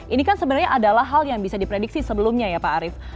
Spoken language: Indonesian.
ini kan sebenarnya adalah hal yang bisa diprediksi sebelumnya ya pak arief